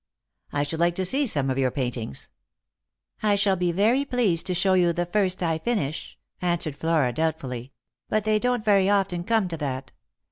" I should like to see some of your paintings." " I shall be very pleased to show you the first I finish," answered Flora doubtfully ;" but they don't very often coma to that.